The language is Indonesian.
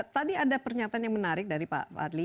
tadi ada pernyataan yang menarik dari pak fadli